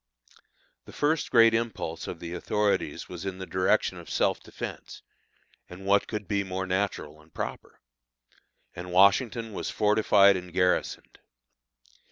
The first great impulse of the authorities was in the direction of self defence (and what could be more natural and proper?), and Washington was fortified and garrisoned.